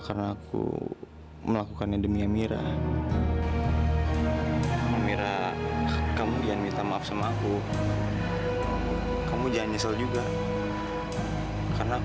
sampai jumpa di video selanjutnya